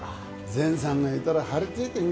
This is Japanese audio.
善さんがいたら張り付いて見てるぞ。